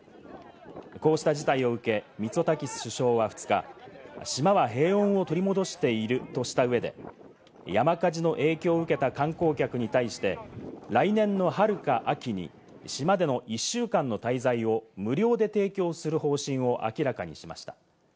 こうした事態を受け、ミツォタキス首相は２日、島は平穏を取り戻しているとした上で山火事の影響を受けた観光客に対して、来年の春か秋に島での１週間の滞在を無料で提供する方針を明らかにしました。